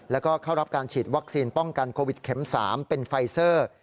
แล้วก็เข้ารับการฉีดวัคซีนป้องกันโควิดเข็ม๓เป็นไฟเซอร์